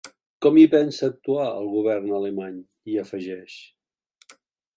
Com hi pensa actuar el govern alemany?, hi afegeix.